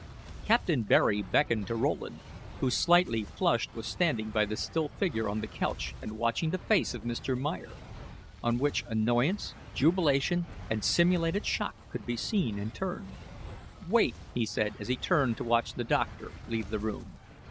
Captain Barry beckoned to Rowland, who, slightly flushed, was standing by the still figure on the couch and watching the face of Mr. Meyer, on which annoyance, jubilation, and simulated shock could be seen in turn. "Wait," he said, as he turned to watch the doctor leave the room.